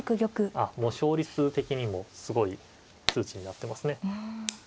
あっもう勝率的にもすごい数値になってますね。